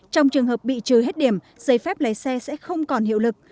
trong trường hợp bị trừ hết điểm giấy phép lấy xe sẽ không còn hiệu lực